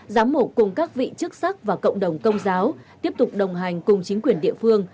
giám mục cùng các vị chức sắc và cộng đồng công giáo tiếp tục đồng hành cùng chính quyền địa phương